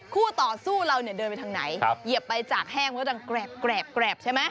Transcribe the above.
คู่ต่อสู้เราเนี่ยเดินไปทางไหนเหยียบไปจากแห้งไว้ดังแกรบใช่ไหม